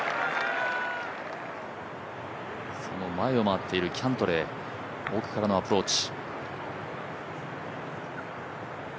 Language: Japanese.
その前を回っているキャントレー、奥からのアプローチ。